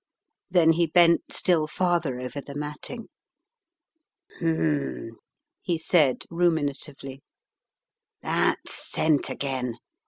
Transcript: Then he bent still farther over the matting. "Humn," he said, ruminatively. "That scent again.